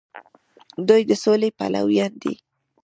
دوی د سولې پلویان دي.